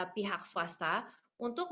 pihak swasta untuk